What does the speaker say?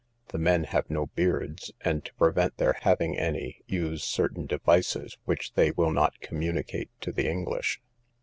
The men have no beards, and, to prevent their having any, use certain devices, which they will not communicate to the English.